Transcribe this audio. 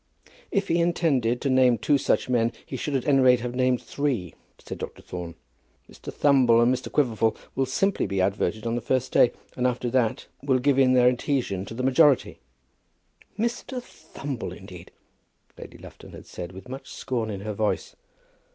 "If he intended to name two such men he should at any rate have named three," said Dr. Thorne. "Mr. Thumble and Mr. Quiverful will simply be outvoted on the first day, and after that will give in their adhesion to the majority." "Mr. Thumble, indeed!" Lady Lufton had said, with much scorn in her voice.